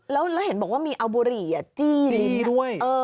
แล้วเห็นบอกว่ามีอัลบุรีจี้ด้วย